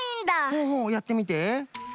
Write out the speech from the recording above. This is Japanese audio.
ほうほうやってみて。